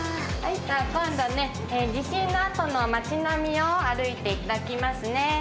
今度ね地震のあとの町並みを歩いていただきますね。